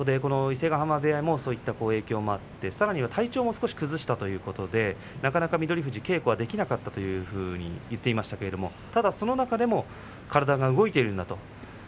伊勢ヶ濱部屋もそういった影響もあってさらには体調を少し崩したということで、なかなか翠富士は稽古ができなかったというふうに言っていましたがただその中でも体が動いているんだと。